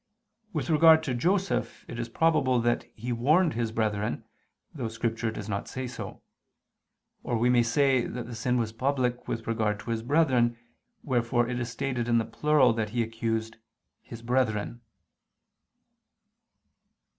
With regard to Joseph it is probable that he warned his brethren, though Scripture does not say so. Or we may say that the sin was public with regard to his brethren, wherefore it is stated in the plural that he accused "his brethren."